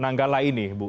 nanggala ini bu